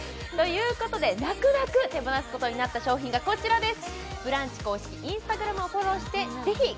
泣く泣く手放すことになった商品がこちらです